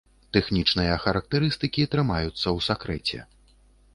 Тэхнічныя характарыстыкі трымаюцца ў сакрэце.